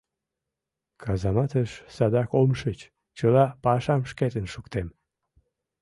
Казаматыш садак ом шич, чыла пашам шкетын шуктем.